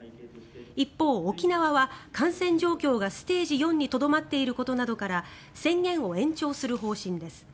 一方、沖縄は感染状況がステージ４にとどまっていることなどから宣言を延長する方針です。